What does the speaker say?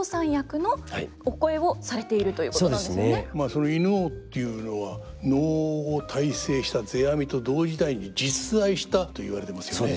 その犬王というのは能を大成した世阿弥と同時代に実在したといわれてますよね。